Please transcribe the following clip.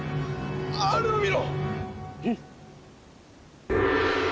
あれを見ろ！